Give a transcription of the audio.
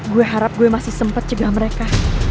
gue harap gue masih sempat cegah mereka